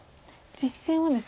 実戦はですね